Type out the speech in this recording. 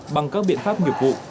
bằng các biện pháp nghiệp vụ